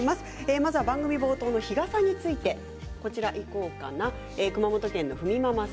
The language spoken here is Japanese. まずは番組冒頭の日傘についてきています。